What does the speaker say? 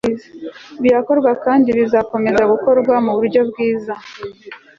birakorwa kandi bizakomeza gukorwa ku buryo bwiza